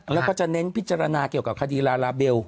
แล้วก็จะเน้นพิจารณาเกี่ยวกับคดีลาลาเบล